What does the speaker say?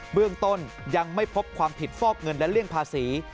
เรื่องต้นยังไม่พบความผิดฟอกเงินและเลี่ยงภาษี